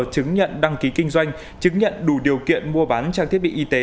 chứng nhận đăng ký kinh doanh chứng nhận đủ điều kiện mua bán trang thiết bị y tế